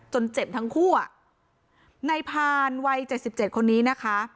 เจ็บทั้งคู่อ่ะในพานวัยเจ็ดสิบเจ็ดคนนี้นะคะ